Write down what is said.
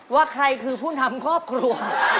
ว่าใครคือผู้นำครอบครัว